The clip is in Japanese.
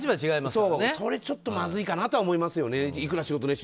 それはちょっとまずいかなとは思います。